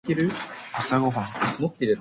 朝ごはん